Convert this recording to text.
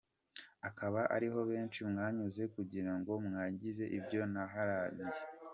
Akaba ariho benshi mwanyuze kugira ngo mwangize ibyo naharaniye.